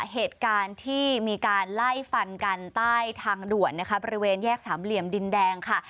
เหตุการณ์ที่มีการไล่ฟันกันใต้ทางด่วนนะคะบริเวณแยกสามเหลี่ยมดินแดงค่ะ